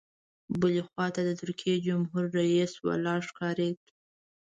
بلې خوا ته د ترکیې جمهور رئیس ولاړ ښکارېد.